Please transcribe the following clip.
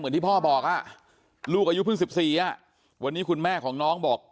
ที่พ่อบอกลูกอายุเพิ่ง๑๔วันนี้คุณแม่ของน้องบอก